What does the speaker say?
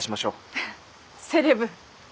フフセレブ。